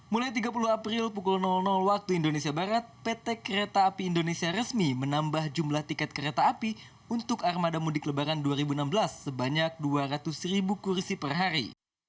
mulai tiga puluh april pukul waktu indonesia barat pt kereta api indonesia resmi menambah jumlah tiket kereta api untuk armada mudik lebaran dua ribu enam belas sebanyak dua ratus ribu kursi per hari